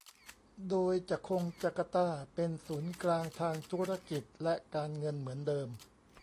โดยจะคงจาการ์ตาเป็นศูนย์กลางทางธุรกิจและการเงินเหมือนเดิม